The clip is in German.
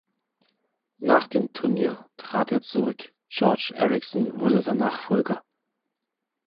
Nach dem Turnier trat er zurück, Georg Ericson wurde sein Nachfolger.